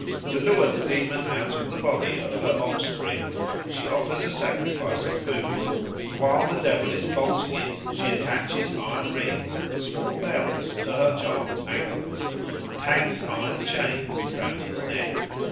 To lure the demon out of the body of her offspring, she offers a sacrifice of food; and while the devil is bolting it, she attaches iron rings and small bells to her child's ankles and hangs iron chains round his neck.